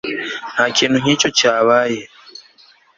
ntakintu nkicyo cyabaye